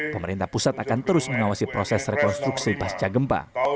pemerintah pusat akan terus mengawasi proses rekonstruksi pasca gempa